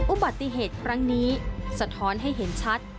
อุบัติเหตุครั้งนี้สะท้อนให้เห็นชัด